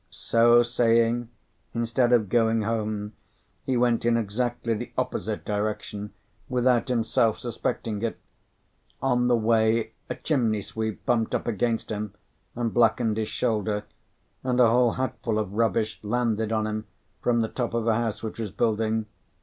So saying, instead of going home, he went in exactly the opposite direction without himself suspecting it. On the way, a chimney sweep bumped up against him, and blackened his shoulder, and a whole hatful of rubbish landed on him from the top of a house which was building.